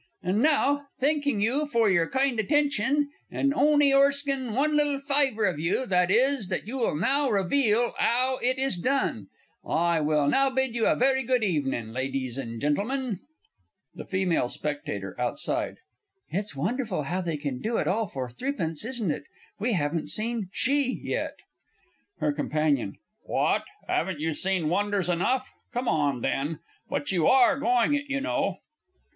_) And now, thenking you for your kind attention, and on'y 'orskin one little fyvour of you, that is, that you will not reveal 'ow it is done, I will now bid you a very good evenin', Lydies and Gentlemen! THE F. S. (outside). It's wonderful how they can do it all for threepence, isn't it? We haven't seen She yet! HER COMP. What! 'aven't you seen wonders enough? Come on, then. But you are going it you know!